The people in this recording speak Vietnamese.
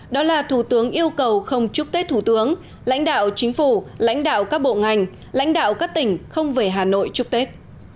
đó là thủ tướng yêu cầu không chúc tết thủ tướng lãnh đạo chính phủ lãnh đạo các bộ ngành lãnh đạo các tỉnh không về hà nội chúc tết